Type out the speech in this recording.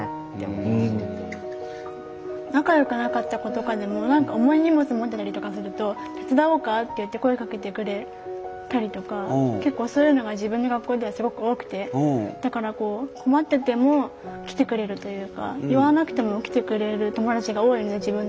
仲よくなかった子とかでも重い荷物持ってたりとかすると「手伝おうか？」って言って声かけてくれたりとか結構そういうのが自分の学校ではすごく多くてだから困ってても来てくれるというか言わなくても来てくれる友達が多いので自分の周りは。